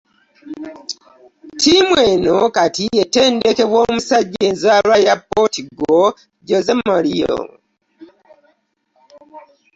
Tiimu eno kati etendekebwa omusajja enzaalwa ya Pootugo Jose Mario.